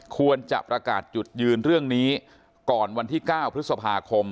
ควรจะประกาศจุดยืนเรื่องนี้ก่อนวันที่๙พฤษภาคม